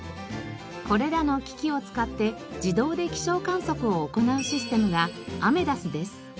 これらの機器を使って自動で気象観測を行うシステムがアメダスです。